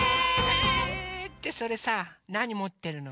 ってそれさなにもってるの？